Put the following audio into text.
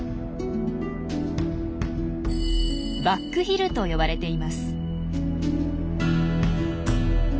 「バックヒル」と呼ばれています。